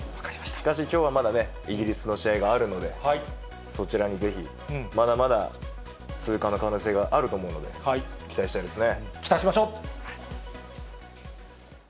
しかしきょうはまだね、イギリスの試合があるので、そちらにぜひ、まだまだ通過の可能性があると思うので、期待したいですね。